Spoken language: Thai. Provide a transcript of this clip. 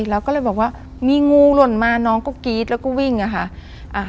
แล้วก็เลยบอกว่ามีงูหล่นมาน้องก็กรี๊ดแล้วก็วิ่งอะค่ะ